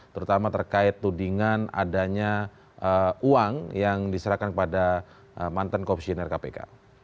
terutama terkait tudingan adanya uang yang diserahkan kepada mantan komisioner kpk